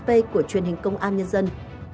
trên trang facebook của truyền hình công an nhân dân